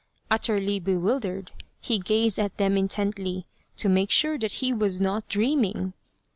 Utterly bewildered, he gazed at them intently to make sure that he was not dream ing.